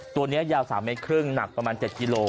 ตัวนี้ยาว๓๕เมตรหนักประมาณ๗กิโลกรัม